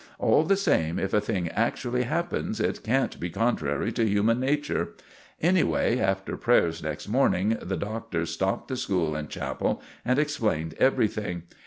All the same, if a thing actually happens, it can't be contrary to human nature. Anyway, after prayers next morning the Doctor stopped the school in chapel and explained everything.